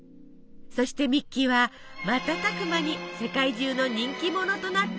そしてミッキーは瞬く間に世界中の人気者となったのです。